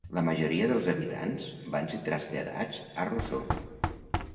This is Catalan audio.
La majoria dels habitants van ser traslladats a Roseau.